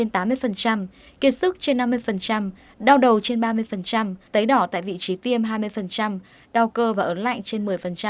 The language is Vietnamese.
trên tám mươi kiệt sức trên năm mươi đau đầu trên ba mươi tấy đỏ tại vị trí tiêm hai mươi đau cơ và ớn lạnh trên một mươi